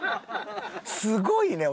すごいね。